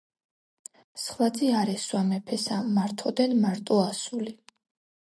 სხვა ძე არ ესვა მეფესა, მართ ოდენ მარტო ასული